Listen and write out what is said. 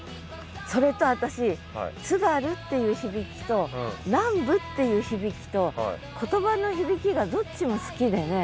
それと私津軽っていう響きと南部っていう響きと言葉の響きがどっちも好きでね。